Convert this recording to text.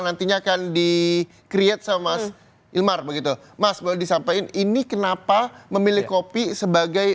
nantinya akan di create sama mas ilmar begitu mas boleh disampaikan ini kenapa memilih kopi sebagai